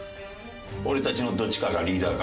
俺たちのどっちかがリーダーか？